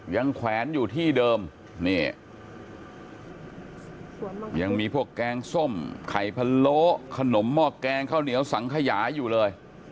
แขวนอยู่ที่เดิมนี่ยังมีพวกแกงส้มไข่พะโล้ขนมหม้อแกงข้าวเหนียวสังขยาอยู่เลย